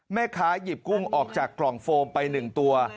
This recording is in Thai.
หยิบกุ้งออกจากกล่องโฟมไป๑ตัว